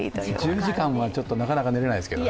１０時間はなかなか寝られないですけど。